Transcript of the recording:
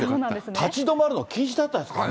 立ち止まるの禁止だったですからね。